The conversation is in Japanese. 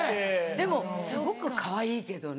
でもすごくかわいいけどね。